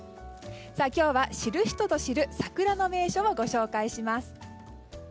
今日は知る人ぞ知る桜の名所をご紹介します。